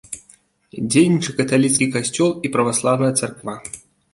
Дзейнічае каталіцкі касцёл і праваслаўная царква.